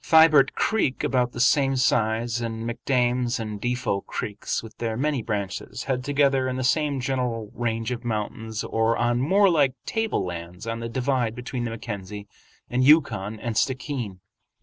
Thibert Creek, about the same size, and McDames and Defot Creeks, with their many branches, head together in the same general range of mountains or on moor like tablelands on the divide between the Mackenzie and Yukon and Stickeen.